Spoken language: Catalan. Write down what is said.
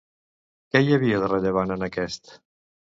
Què hi havia de rellevant en aquest?